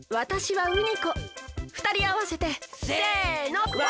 ふたりあわせて。